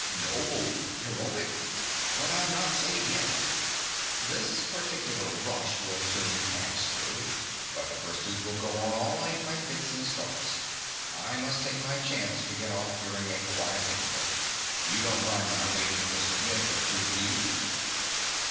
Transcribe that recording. Noble!—heroic! But I'm not saved yet. This particular rush will soon pass through; but the pursuit will go on all night by fits and starts. I must take my chance to get off during a quiet interval. You don't mind my waiting just a minute or two, do you?